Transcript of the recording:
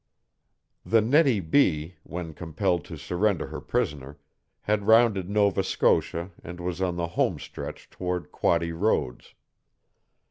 The Nettie B., when compelled to surrender her prisoner, had rounded Nova Scotia and was on the home stretch toward Quoddy Roads.